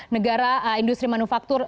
negara industri manufaktur